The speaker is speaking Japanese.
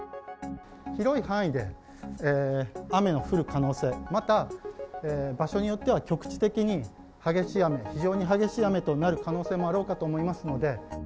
広い範囲で雨の降る可能性、また場所によっては局地的に激しい雨、非常に激しい雨となる可能性もあろうかと思いますので。